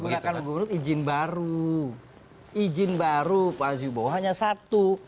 izin yang digunakan gubernur fauzi bowo hanya satu